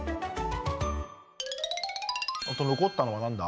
あと残ったのは何だ？